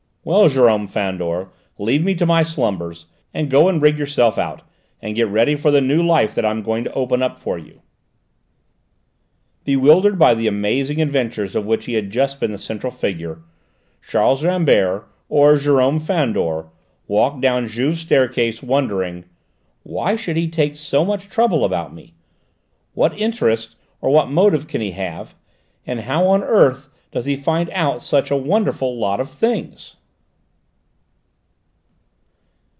"Well, Jérôme Fandor, leave me to my slumbers, and go and rig yourself out, and get ready for the new life that I'm going to open up for you!" Bewildered by the amazing adventures of which he had just been the central figure, Charles Rambert, or Jérôme Fandor, walked down Juve's staircase wondering. "Why should he take so much trouble about me? What interest or what motive can he have? And how on earth does he find out such a wonderful lot of things?"